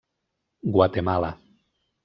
Guatemala.